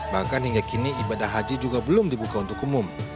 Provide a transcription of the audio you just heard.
bahkan hingga kini ibadah haji juga belum dibuka untuk umum